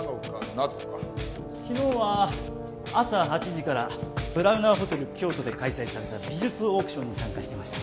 昨日は朝８時からブラウナーホテル京都で開催された美術オークションに参加していました。